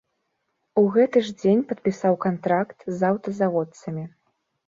У гэты ж дзень падпісаў кантракт з аўтазаводцамі.